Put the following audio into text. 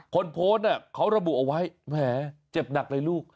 คนโพสต์เขาระบุเอาไว้แหมเจ็บหนักเลยลูก